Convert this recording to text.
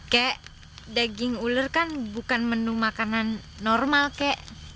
kayak daging uler kan bukan menu makanan normal kek